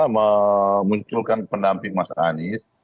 memunculkan pendamping mas anies